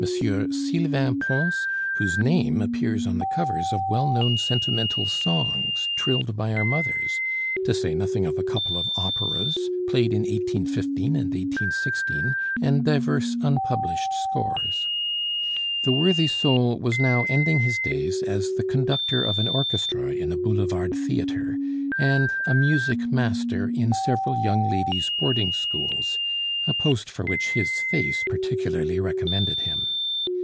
Sylvain Pons, whose name appears on the covers of well known sentimental songs trilled by our mothers, to say nothing of a couple of operas, played in 1815 and 1816, and divers unpublished scores. The worthy soul was now ending his days as the conductor of an orchestra in a boulevard theatre, and a music master in several young ladies' boarding schools, a post for which his face particularly recommended him.